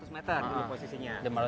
lima ratus meter dulu posisinya